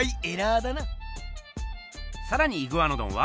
さらにイグアノドンは。